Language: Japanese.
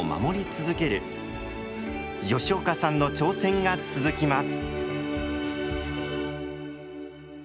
吉岡さんの挑戦が続きます。